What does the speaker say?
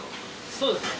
そうですね。